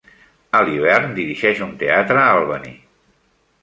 A l'hivern, dirigeix un teatre a Albany.